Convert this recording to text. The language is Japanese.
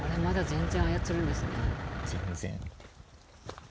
全然。